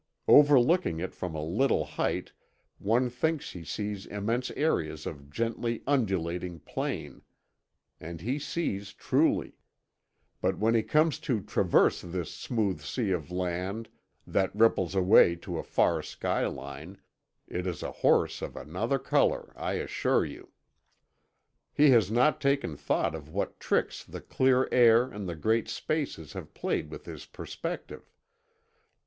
Overlooking it from a little height one thinks he sees immense areas of gently undulating plain; and he sees truly. But when he comes to traverse this smooth sea of land that ripples away to a far skyline, it is a horse of another color, I assure you. He has not taken thought of what tricks the clear air and the great spaces have played with his perspective.